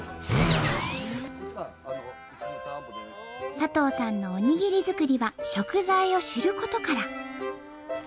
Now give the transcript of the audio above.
佐藤さんのおにぎり作りは食材を知ることから。